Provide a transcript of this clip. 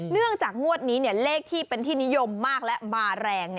เนื่องจากงวดนี้เลขที่เป็นที่นิยมมากและบาแรง